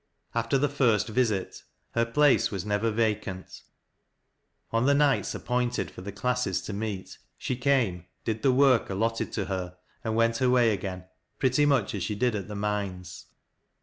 After the firsi visit her place v^as never vacant. On the nights ap pointed for the classes to meet, she came, did the worl; allotted to her, and went her way again, pretty much as she did at the mines.